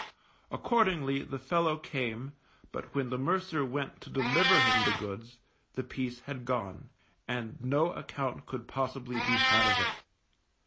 Accordingly the fellow came, but when the mercer went to deliver him the goods, the piece had gone, and no account could possibly he had of it.